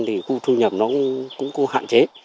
thì khu thu nhập nó cũng có hạn chế